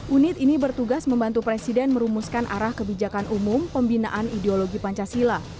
unit ini bertugas membantu presiden merumuskan arah kebijakan umum pembinaan ideologi pancasila